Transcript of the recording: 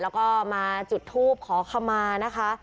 แล้วก็มาจุดทูปขอขมานะคะ